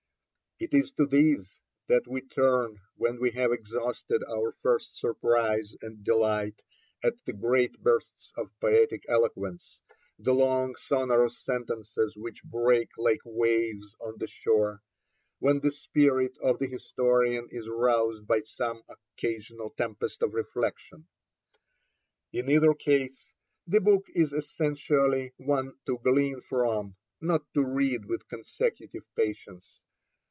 It is to these that we turn when we have exhausted our first surprise and delight at the great bursts of poetic eloquence, the long sonorous sentences which break like waves on the shore, when the spirit of the historian is roused by some occasional tempest of reflection. In either case, the book is essentially one to glean from, not to read with consecutive patience.